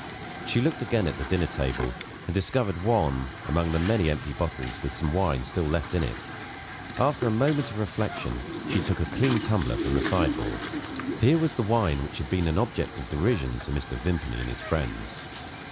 She looked again at the dinner table, and discovered one, among the many empty bottles, with some wine still left in it. After a moment of reflection, she took a clean tumbler from the sideboard. Here was the wine which had been an object of derision to Mr. Vimpany and his friends.